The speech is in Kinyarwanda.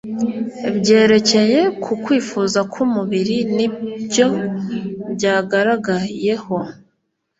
byerekeye ku kwifuza kwumubiri ni byo byagaragayeho